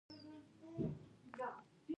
زه زده کړه کوم.